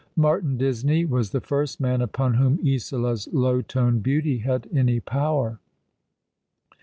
Martin Disney was the first man upon whom Isola's low toned beauty had any power.